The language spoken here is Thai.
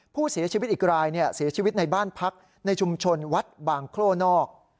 ผู้เสียชีวิตอีกรายเสียชีวิตในบ้านพักในชุมชนวัดบางโคร่นอก